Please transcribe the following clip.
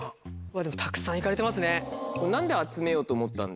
でもたくさん行かれてますね。